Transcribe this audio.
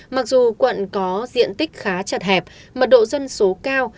mặc dù quận có diện tích khá chật hẹp mật độ dân số cao